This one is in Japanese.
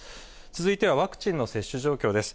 続いてはワクチンの接種状況です。